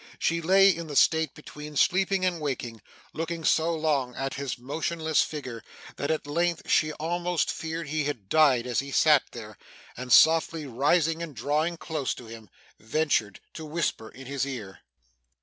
She lay in the state between sleeping and waking, looking so long at his motionless figure that at length she almost feared he had died as he sat there; and softly rising and drawing close to him, ventured to whisper in his ear.